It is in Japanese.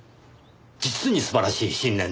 実に素晴らしい信念です。